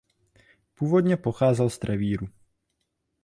Původně pocházel z Trevíru.